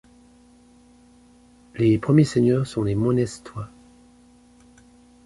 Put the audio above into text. Les premiers seigneurs sont les Monestoy.